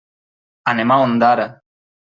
Anem a Ondara.